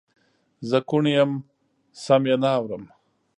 زه کوڼ یم سم یې نه اورم